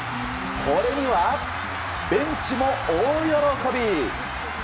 これにはベンチも大喜び！